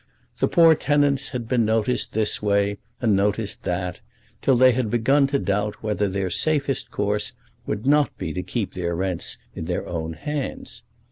The poor tenants had been noticed this way and noticed that till they had begun to doubt whether their safest course would not be to keep their rents in their own hands.